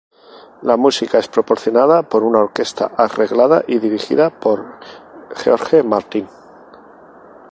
La música es proporcionada por una orquesta arreglada y dirigida por George Martin.